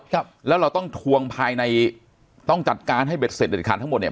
ครับแล้วเราต้องทวงภายในต้องจัดการให้เบ็ดเสร็จเด็ดขาดทั้งหมดเนี่ย